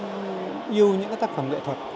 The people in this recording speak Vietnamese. tôi là người yêu những tác phẩm nghệ thuật